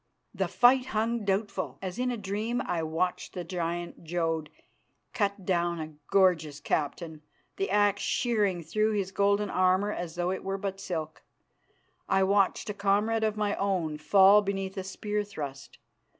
The fight hung doubtful. As in a dream, I watched the giant Jodd cut down a gorgeous captain, the axe shearing through his golden armour as though it were but silk. I watched a comrade of my own fall beneath a spear thrust.